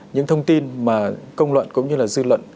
những thông tin mà công luận cũng như là dư luận